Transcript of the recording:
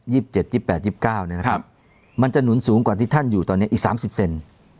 ๒๗๒๙นี้นะครับมันจะหนุนสูงกว่าที่ท่านอยู่ตอนนี้อีก๓๐เซน